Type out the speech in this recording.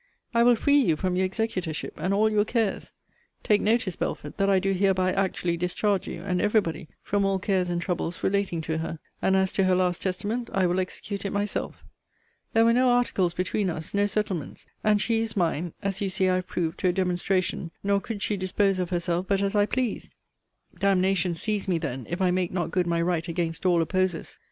I will free you from your executorship, and all your cares. Take notice, Belford, that I do hereby actually discharge you, and every body, from all cares and troubles relating to her. And as to her last testament, I will execute it myself. There were no articles between us, no settlements; and she is mine, as you see I have proved to a demonstration; nor could she dispose of herself but as I pleased. D n n seize me then if I make not good my right against all opposers!